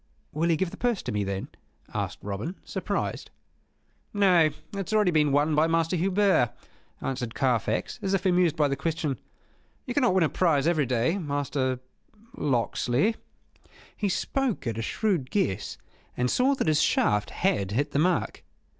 "Will he give the purse to me, then?" asked Robin, surprised. "Nay, that has already been won by Master Hubert," answered Carfax, as if amused at the question. "You cannot win a prize every day. Master Locksley." He spoke at a shrewd guess, and saw that his shaft had hit the mark.